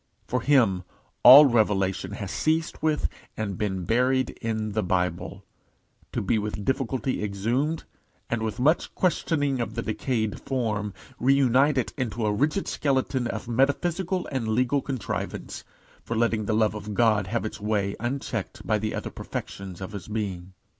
For him all revelation has ceased with and been buried in the Bible, to be with difficulty exhumed, and, with much questioning of the decayed form, re united into a rigid skeleton of metaphysical and legal contrivance for letting the love of God have its way unchecked by the other perfections of his being.